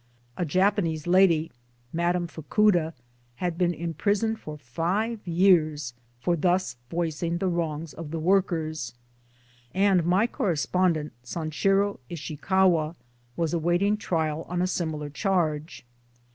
A Japanese lady, Mme. Fukuda, had been imprisoned for five years for thus voicing the wrongs of the workers ; and my correspondent, Sanshiro Ishikawa, was awaiting trial on a similar charge.